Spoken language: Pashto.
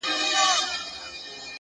صادق چلند د اعتماد اړیکې ژوروي